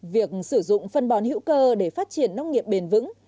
việc sử dụng phân bón hữu cơ để phát triển nông nghiệp bền vững